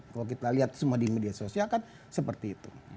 kalau kita lihat semua di media sosial kan seperti itu